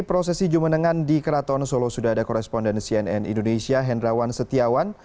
prosesi jumenengan di keraton solo sudah ada koresponden cnn indonesia hendrawan setiawan